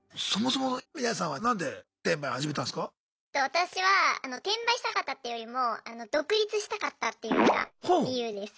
私は転売したかったっていうよりも独立したかったっていうのが理由です。